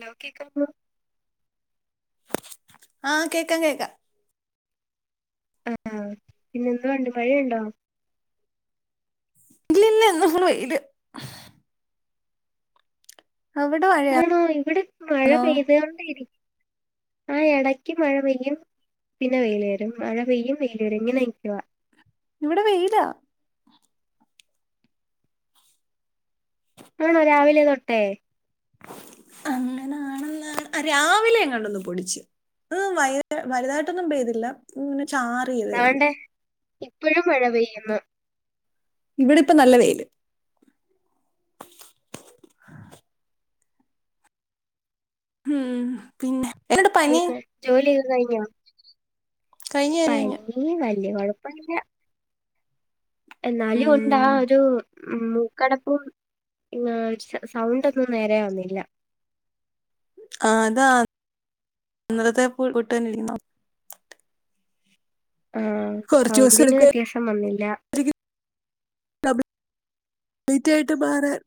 ലൗകികം ആ കേക്കാം കേക്കാം ആ ആ പിന്നെന്തുവാണ്ട് മഴയുണ്ടോ ന്ന് ഫുള്ള് വെയില് അവിടെ മഴയാന്നോ ആണോ ഇവിടെ മഴ പെയ്തോണ്ടെഇരി ആ എടയ്ക്ക് മഴ പെയ്യും പിന്നെ വെയില് വരും മഴ പെയ്യും വെയില് വരും ഇങ്ങനെഇക്കുവാ ഇവിടെ വെയിലാ ആണോ രാവിലെ തൊട്ടേ അങ്ങനാണല്ല ആ രാവിലെഎങ്ങാണ്ടൊന്നു പൊടിച്ച് വ് വൈന്നേര വലുതായിട്ടൊന്നും പെയ്തില്ല ഇങ്ങനെ ചാറിയതേ ഒള്ളു ദാണ്ടെ ഇപ്പഴും മഴ പെയ്യുന്നു ഇവിടെ ഇപ്പൊ നല്ല വെയില് ഉം പിന്നെ എന്നോട് പനി പിന്നേ ജോലിയോ തു കയിഞ്ഞോ കഴിഞ്ഞു കഴിഞ്ഞു പനീ വൽ ല്ല്യാ കൊഴപ്പവില്ല എന്നാലും ഉം ഒണ്ടാ ഒരു ഉം മൂക്കടപ്പും പിന്നാ സ് സൗണ്ടൊന്നും നേരെയാവ്ന്നില്ല ആ അതാ ഇന്നലത്തെ പുപുട്ട് തന്നിരിക്കുന്നോ ആ കുറച്ച് ദിവസം സൗണ്ടിന് എടുക്കുമായിരിക്കും വ്യത്യാസം വന്നില്ല ലൈറ്റായിട്ട് മാറാൻ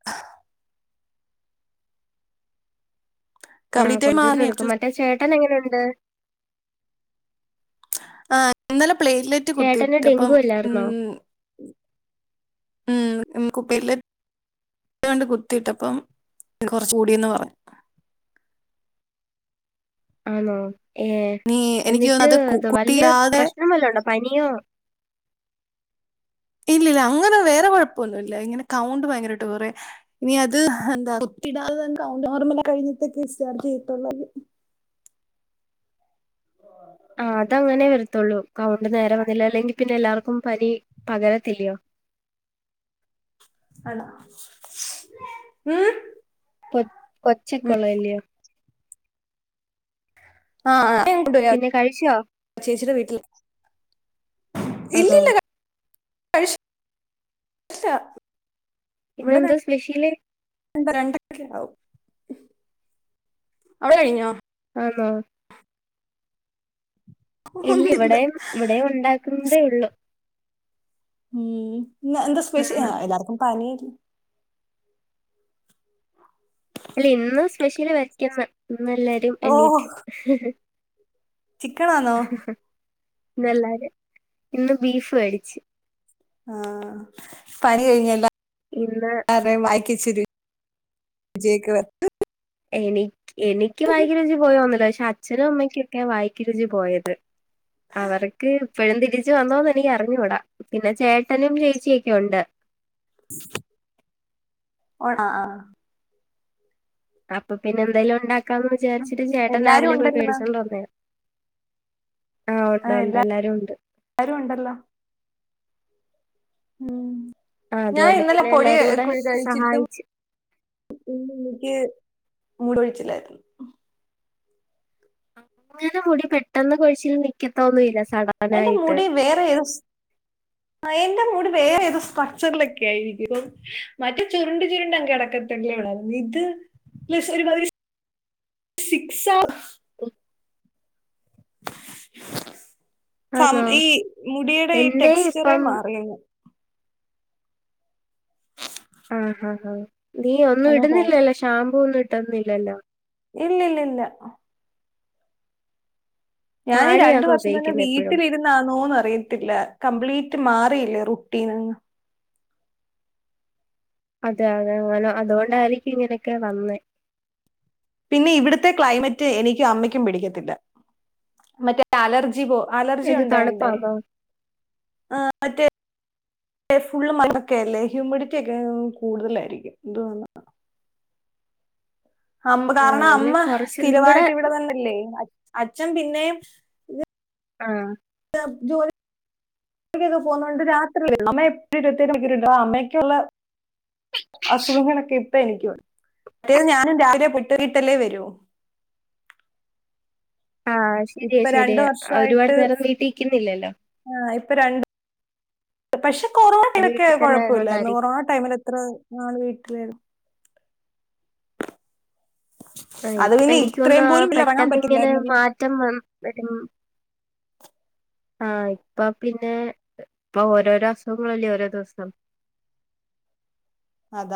ആ കംപ്ലീറ്റ് ആയി കുറച്ചോസം മാറാനേ കുറച്ച് എടുക്കും ദിവസം മറ്റേ ചേ അന്ന് എങ്ങനെണ്ട് ആ ഇന്നലെ പ്ലേറ്റ്ലറ്റ് കുത്തിയിട്ടപ്പം ഡെങ്കു അല്ലായിരുന്നോ ഉം ഉം കുപ്പില് [unintelligible] ആണ്ട് കുത്തിയിട്ടപ്പം കൊറച്ചുകൂടിന്ന് പറഞ്ഞു ആണോ ഏ നീ എനിക്ക് തോന്നുന്നു എന്നിട്ട് അത് കു- ത് വല്യ കുട്ടിയില്ലാതെ പ്രശ്നം വല്ലണ്ടോ പനിയോ ഇല്ലല്ല അങ്ങനെ വേറെ കൊഴപ്പൊന്നുല്ല ഇങ്ങനെ കൗണ്ട് ഭയങ്കരമായിട്ട് കുറയാ നീ അത് എന്താ കുത്തിയിടാതെ കൗണ്ട് നോർമൽ ആകാൻ കഴിഞ്ഞിട്ട് ഡിസ്ചാർജ് [unintelligible] [unintelligible] ആ അത് അങ്ങനെ വരത്തുള്ളൂ കൗണ്ട് നേരെ വന്നില്ലല്ലെങ്കി പിന്നെ എല്ലാർക്കും പനി പകരത്തില്ലോ അണാ [unintelligible] ഉം പോയി കൊച്ചൊക്കെ ഉം. ഉള്ളല്ല്യോ ആ ആ പിന്നെ കഴിച്ചോ? [unintelligible] ചേച്ചിടെ വീട്ടിൽ ആണോ ഇല്ലില്ല കഴിച്ചു ഇല്ല ഇന്നെന്താ സ്പെഷ്യല് എന്ത രണ്ടക്കെ ണ്ടാവു അവിടെ കഴിഞ്ഞോ ആന്നോ ആ ഇല്ല ഒന്നുമില്ല ഇവിടെയും ഇവിടെയും ഉണ്ടാക്കുന്നതേ ഉള്ളു ഉം ന്ന് എന്താ സ്പെശ്യ ആഹ് ആ അ എല്ലാർക്കും പനി അല്ല ഇന്ന് സ്പെശ്യല് വെക്ക്യന്ന് ഇന്ന് എല്ലാരും എണീറ്റ് ചിക്കണാന്നോ ഇന്ന് അല്ലാതെ ഇന്ന് ബീഫ് മേടിച്ച് ആ പനി കഴിഞ്ഞല്ലേ ഇന്ന് എല്ലാർടേം വയ ഇച്ചിരി ജയ്ക്ക [unintelligible] എനിക്ക് എനിക്ക് വായക്ക്‌ രുചി പോയോന്നില്ല പക്ഷെ അച്ഛനും അമ്മയ്ക്കൊക്കെ വായക്ക് രുചി പോയത് അവർക്ക് ഇപ്പഴും തിരിച്ച് വന്നോന്ന് എനിക്കറിഞ്ഞൂട പിന്ന ചേട്ടനും ചേച്ചിയൊക്കെ ഒണ്ട് ഓണ അപ്പൊ പിന്നെ എന്തെലും ഉണ്ടാക് ക്കന്ന് വിചാരിച്ചിട്ട് ചേട്ടൻ എല്ലാരും രാവിലെ പോയി ഉണ്ടല്ലോ മേടിച്ചോണ്ട് വന്നേ ആ ഒണ്ട് ഒണ്ട് എല്ലാരും ഒണ്ട് ഉണ്ടല്ലോ ഉം ആഹ് ഞാൻ അതുകൊണ്ട് ഇന്നലെ പിന്നെ പൊടി എല്ലാരും കൂടെ കുഴി കഴിച്ചിട്ട് സഹായിച്ച് ഇന്ന എനിക്ക് മൂടഴിച്ചിലായിരുന്നു അങ്ങനെ മുടി പെട്ടെന്ന് കുഴിച്ചൽ നിക്കത്ത ഒന്നുംല്ല എന്റെ മുടി വേറെ ഏത് എന്റെ മുടി വേറെ ഏത സ്ട്രക്ചറിലൊക്കെ ആയിരിക്കും ഇപ്പ മറ്റ ചുരുണ്ട് ചുരുണ്ട് അങ് അടക്കത്തില്ലേണ ഇത് പ്ല ഒരുതി സിക്സ് ആന്നോ ഈ മുടിയുടെ ഈ എന്റെ ടെക്സ്ചറെ ഇപ്പം മാറിയുന്നു ആഹ് ആ ആ നീ ഒന്നും അല്ല ഹോ ഇടുന്നില്ലല്ലോ ഷമ്പൂ ഒന്നും തന്നില്ലല്ലോ ഇല്ല ഇല്ല ഇല്ല ഞാനീഈ രണ്ട് താളിയാന്നോ വർഷം തന്നെ ഉപയോഗിക്കുന്നെ എപ്പഴും വീട്ടിലിരുന്നാന്നോന്ന് അറിയത്തില്ല കംപ്ലീറ്റ് ക്ക്മാറിയില്ലേ റുട്ടീന്ന് അതെ അതെ അങ്ങനെ അതുകൊണ്ടായിരിക്കും ഇങ്ങനൊക്കെ വന്നേ പിന്നെ ഇവിടുത്തെ ക്ലൈമറ്റ് എനിക്കും അമ്മയ്ക്കും പിടിക്കത്തില്ല മറ്റേ അലർജി പോ അലർജി എന്ത് ഉണ്ടേ തണുപ്പാന്നോ ഫുള്ള് മണ്ണൊക്കെല്ലേ ഹ്യൂമിഡിറ്റി ഒക്കെ കൂടുതലായിരിക്കും എതു വന്ന അമ്പ് ആഹ് കാരണം അല്ലെ അമ്മ കൊറച്ച് നിങ്ങടെ സ്ഥിരമായിട്ട് ഇവിടെന്നന്നല്ലേ അച്ഛൻ പിന്നെ ആഹ് ജോലി ക്കെക്കെ പോകുന്നുണ്ട് രാത്രി അമ്മ എ അമ്മക്കുള്ള അസുഖങ്ങളൊക്കെ ഇപ്പ എനിക്ക അറ്റേത് ഞാനും രാവിലെ പെട്ടുുകിട്ടല്ലേ വരൂ ആഹ് ശരിയ ഇപ്പൊ രണ്ടു ശരിയ ഒരുപാട് വർഷമായിട്ട് നേരം നീട്ടിരിക്കുന്നില്ലല്ലോ ഇ രണ്ട് പക്ഷെ കൊറോണയിലൊക്കെ വീട്ടി തന്നെ കുഴപ്പമില്ലന്ന് ആയതുകൊണ്ടായിരിക്കും. കൊറോണ ടൈമിൽ എത്ര നാൾ വീട്ടിലായിരുന്നു ആ അത് ഇപ്പൊ പിന്നെ എനിക്ക് തന്ന ഇത്രയും ആ പോലും ഇറങ്ങാൻ പെട്ടെന്നിങ്ങനെ പറ്റില്ലായിരുന്നു മാറ്റം വ വരും ആഹ് ഇപ്പൊ പിന്നെ ഇപ്പൊ ഓരോസങ്ങളല്ലേ ഓരോ ദിവസം അതാ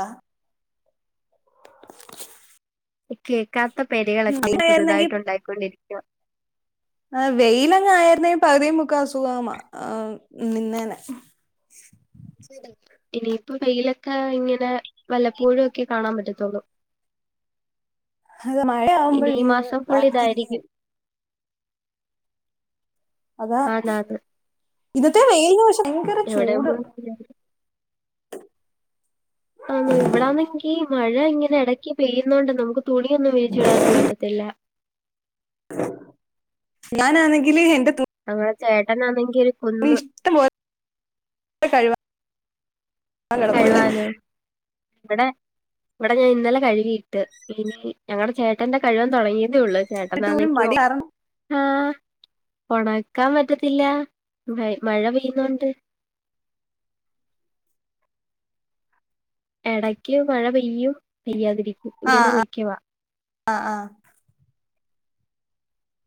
എക്കെക്ക പക്കാത്ത പരകളൊക്കെ ഇനി മഴയായിരുന്നെങ്കി പുതിയതായിട്ട ഉണ്ടായിക്കൊണ്ടിരിക്കും ച ആ വെയിലങ്ങ ആയിരുന്നേ പകുതിയും മുക്ക അസുഖമ ആ നിന്നേനെ ഇനിയിപ്പോ വെയിലൊക്കെ ഇങ്ങനെ വല്ലപ്പോഴും ഒക്കെ കാണാൻ പറ്റത്തോുള്ളൂ അത മഴ ഫുൾ ഇതായിരിക്കും. അതാ ഇത്ത്തെ വെയിം എവിടെ പോയിട്ടില്ല ആണോ ഇവടാനെങ്കിൽ മഴ ഇങ്ങനെ ഇടക്കി പെയ്യുന്നോണ്ട് നമുക്ക് തുണിയൊന്നും വിരിച്ചിടാനും പറ്റത്തില്ല ഞാനാണെങ്കില് എൻ്റെ ഇവിടെ ചേട്ടനാണെങ്കിൽ ഇഷ്ടംപോലെ കഴിവ കഴിവാനും ഇവിടെ ഇവിടെ ഞാൻ ഇന്നലെ കഴിവിയിട്ട് ഇനി ഞങ്ങടെ ചേട്ടന്റെ കഴിവാൻ തുടങ്ങി ഉള്ളൂ എന്നിട്ട് പോലും ചേട്ടന്നാകി ഓ മടി കാരണം ആ ഓണക്കാൻ പറ്റത്തില്ല മഴ പെയ്യുന്നോണ്ട് ഇടയ്ക്ക് മഴ പെയ്യും പെയ്യാതിരിക്കും ആ ഇങ്ങനെ ആ നിക്കുവാ ആ ആ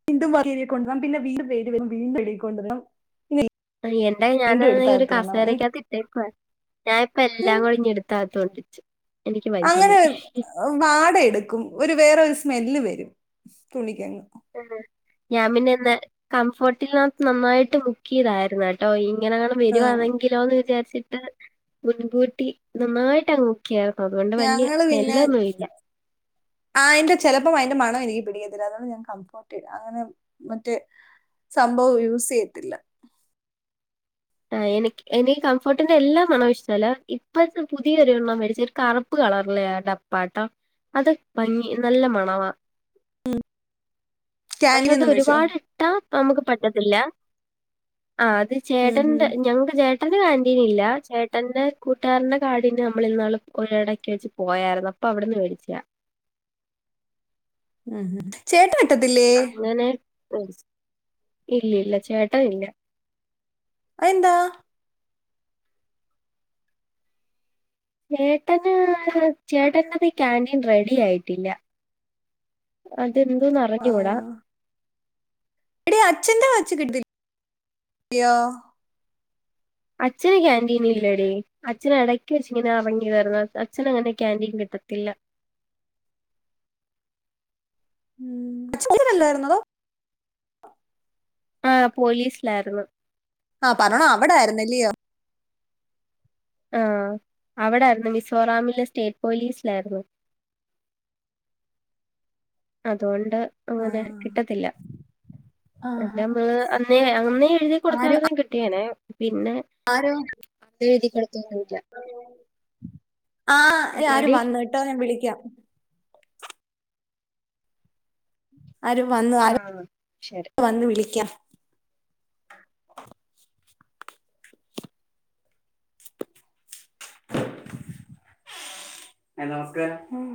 വീണ്ടും വർക്കേരിയ കൊണ്ടുവണം പിന്നെ വീണ്ടും വെയില് വരും വീണ്ടും കഴിക്കൊണ്ടാരം പിന്നെ എന്റെ ഞാൻ ഒരു എനിക്ക് കാസേരക്കാത്ത് ഇട്ടേക്കുവ ഞാൻ ഇപ്പ ഉം, എല്ലാം കൂടിഞ്ഞെടുത്താ തോൽപിച്ച് അങ്ങനെ വാട എടുക്കും ഒരു വേറെ ഒരു സ്മെല്ല് വരും വേരും തുണിക്കങ്ങ് ഞാൻ പിന്നെ ഇന്ന് കംഫോർട്ടിൽകത്ത് നന്നായിട്ട് മുക്കിയതായിരുന്നു കേട്ടോ ഈ ഇങ്ങനെങ്ങാണം ഉം. വരുവാണെങ്കിലോ എന്ന് വിചാരിച്ച് മുൻകൂട്ടി നന്നായിട്ടങ്ങ് ഞങ്ങള് പിന്നെ ആയിന്റെ ചെലപ്പോം അയിന്റെ മണം എനിക്ക് പിടികത്തില്ല അതോണ്ട് ഞാൻ കംഫോർട്ട് ഇടാതെ മറ്റേ സംഭവം യൂസ് ചെയ്യത്തില്ല ആ എനി എനിക്ക് കംഫോർട്ടിന്റെ എല്ലാ മണം ഇഷ്ടല്ല ഇപ്പ പുതിയൊരു എണ്ണം മേടിച്ച ഒരു കറുപ്പ് കളറില ഡപ്പാട്ട അത് ഭംഗി നല്ല മണവാ പക്ഷെ ക്യാൻറ്റീനിൽ അത് നിന്ന് മേടിച്ചോ ഒരുപാട് ഇട്ടാ അ നമുക്ക് പറ്റത്തില്ല ആ അത് ഉം റ്റ്ണ്ട് ഹും. ഞങ്ങക്ക് ചേട്ട ന്റെ കാന്റീനില്ല ചേട്ടന്റെ കൂട്ടുകാരന്റെ കാടെ നമ്മളിന്നാള് ഒരിടക്കെ വച്ച് പോയായിരുന്നു അപ്പൊ അവിടുന്ന് മേടിച്ച ഉം ചേട്ടാൻ അങ്ങനെ മേടിച്ചു ഇല്ല ഇല്ല ചേട്ടാ ഇല്ല അയിന്താ ചേട്ടന് ചേട്ടനത് ഈ കാന്റീൻ റെഡി ആയിട്ടില്ല ആ. ഇതെന്തന്നെറഞ്ഞൂടാ എടി അച്ഛന്റെ വച്ച് കിട്ടില്ലയോ അച്ഛന് കന്റീൻ ഇല്ലടി അച്ഛൻ ഇടക്ക് വെച്ച ഇങ്ങനെ ഇറങ്ങി തരുന്നു അച്ഛന് അങ്ങനെ കാന്റീൻ കിട്ടത്തില്ല ഉ അച്ചനല്ലായിരുന്നതോ ആഹ് പോലീസിലായിരുന്നു ആഹ് പറഞ്ഞാേ അവിടായ്ര്ന്നല്ലിയോ ആഹ് അവ്ടായ്ര്ന്നു മിസോറാമിലെ സ്റ്റേറ്റ് പോലീസ്‌ലായ്ര്ന്നു അതുകൊൺ ണ്ട് ആ. അങ്ങനെ കിട്ടത്തില്ല ത് അമ്മള് അന്നേ അന്നേ എഴ്തി ആര് കൊട്ത്തായ്ര്ന്നെ കിട്ടിയേനെ ആരോ എഴ്തി കൊട് ആഹ് ആരാേ എന്തോടി വന്ന് കേട്ടോ ഞാൻ വിളിക്കാം ആര് വന്നു ആ ആരോ ശരി വന്ന് വിളിക്കാം ഹലോ നമസ്കാരം